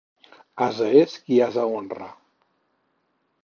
Ase és qui ase honra.